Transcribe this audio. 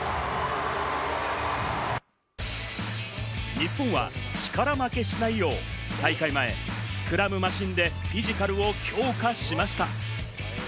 日本は力負けしないよう、大会前、スクラムマシンでフィジカルを強化しました。